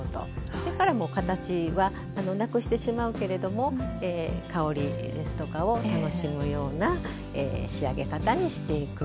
それからもう形はなくしてしまうけれども香りですとかを楽しむような仕上げ方にしていく。